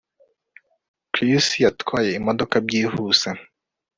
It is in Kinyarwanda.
Chris yatwaye imodoka byihuse